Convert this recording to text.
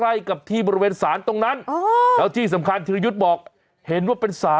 ไม่เกี่ยวเรื่องของเรื่องน่ะ